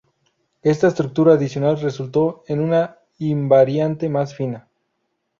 Esta estructura adicional resultó en una invariante más fina.